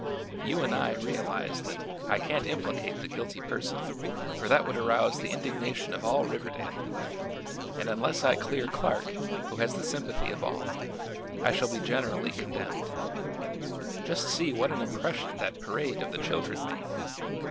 You and I realize that I can't implicate the guilty person, for that would arouse the indignation of all Riverdale; and unless I clear Clark, who has the sympathy of all, I shall be generally condemned. Just see what an impression that parade of the children made!